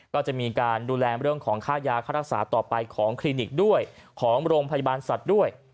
ก็จะมีการดูแลเรื่องของค่ายาค่ารักษาต่อไปของคลินิกด้วยของโรงพยาบาลสัตว์ด้วย